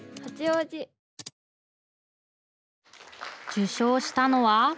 受賞したのは。